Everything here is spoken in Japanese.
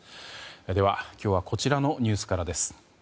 では、今日はこちらのニュースから。